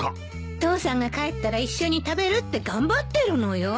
父さんが帰ったら一緒に食べるって頑張ってるのよ。